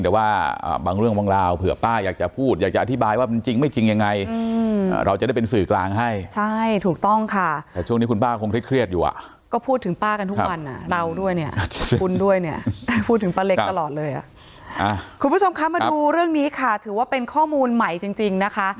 คุณผู้ชมค่ะมาดูเรื่องนี้ค่ะถือว่าเป็นข้อมูลใหม่จริงนะคะ